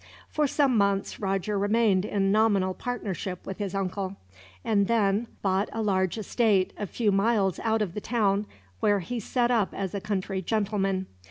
For some months, Roger remained in nominal partnership with his uncle; and then bought a large estate, a few miles out of the town, where he set up as a country gentleman.